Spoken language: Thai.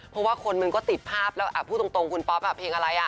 เพราะว่าคนมันก็ติดภาพแล้วพูดตรงคุณป๊อปเพลงอะไรอ่ะ